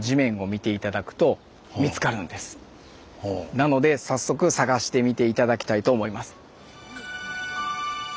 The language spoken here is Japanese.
なので早速探してみて頂きたいと思います。